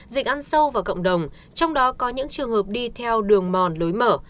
dịch ăn sâu vào cộng đồng trong đó có những trường hợp đi theo đường mòn lối mở